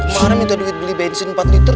kemarin minta duit beli bensin empat liter